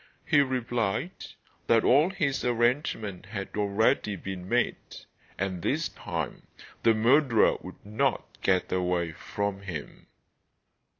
He replied that all his arrangements had already been made, and this time the murderer would not get away from him.